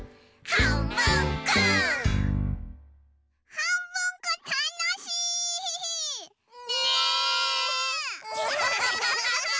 はんぶんこたのしい！ねえ！